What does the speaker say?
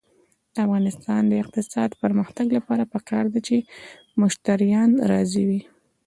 د افغانستان د اقتصادي پرمختګ لپاره پکار ده چې مشتریان راضي وي.